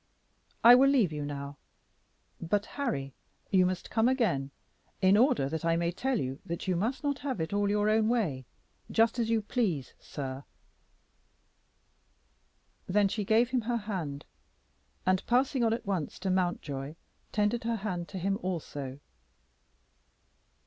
I will leave you now; but, Harry, you must come again, in order that I may tell you that you must not have it all your own way, just as you please, sir." Then she gave him her hand, and passing on at once to Mountjoy, tendered her hand to him also.